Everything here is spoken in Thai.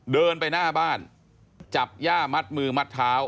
เดินไปหน้าบ้านจับย่ามัดมือมัดเท้า